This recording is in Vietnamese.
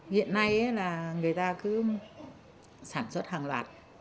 hiện nay là người ta cứ sản xuất hàng loạt